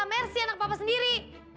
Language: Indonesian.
merci anak papa sendiri